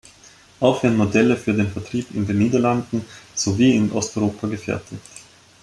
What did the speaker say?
Auch werden Modelle für den Vertrieb in den Niederlanden sowie in Osteuropa gefertigt.